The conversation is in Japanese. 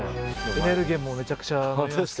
エネルゲンもめちゃくちゃ飲みまして。